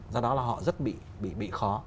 do đó là họ rất bị khó